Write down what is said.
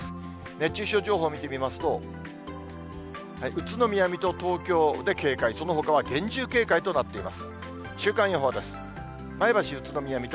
熱中症情報を見てみますと、宇都宮、水戸、東京で警戒、そのほかは厳重警戒となっています。